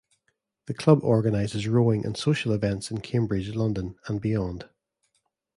The Club organises rowing and social events in Cambridge, London and beyond.